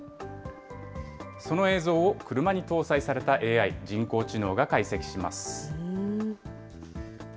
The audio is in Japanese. その映像を車に搭載されたＡＩ・人工知能が解析します。